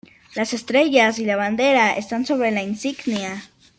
Las estrellas y la bandera están sobre la insignia.